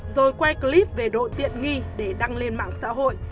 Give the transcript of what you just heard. rồi quay clip về độ tiện nghi để đăng lên mạng xã hội